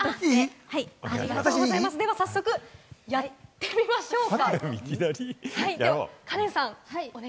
早速やってみましょうか。